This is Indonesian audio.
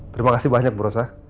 terima kasih banyak bu rosa